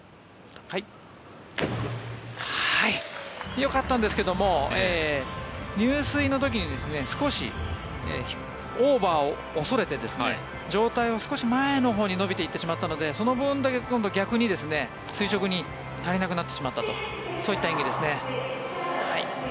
よかったんですけども入水の時に少しオーバーを恐れて上体を少し前のほうに伸びていってしまったのでその分だけ今度、逆に垂直に足りなくなってしまったという演技ですね。